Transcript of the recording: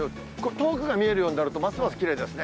遠くが見えるようになると、ますますきれいですね。